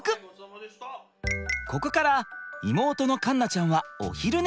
ここから妹の環奈ちゃんはお昼寝。